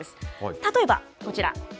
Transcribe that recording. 例えば、こちら。